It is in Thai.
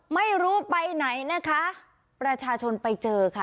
ไม่รู้ไปไหนนะคะประชาชนไปเจอค่ะ